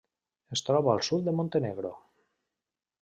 Es troba al sud de Montenegro.